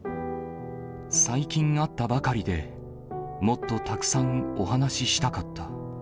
最近会ったばかりで、もっとたくさんお話ししたかった。